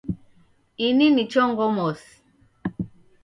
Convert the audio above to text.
Ini ni chongo mosi